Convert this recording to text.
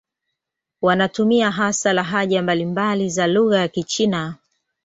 Wanatumia hasa lahaja mbalimbali za lugha ya Kichina.